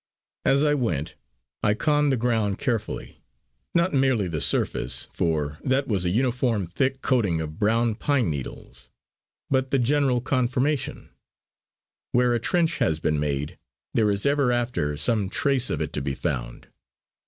As I went, I conned the ground carefully; not merely the surface for that was an uniform thick coating of brown pine needles, but the general conformation. Where a trench has been made, there is ever after some trace of it to be found.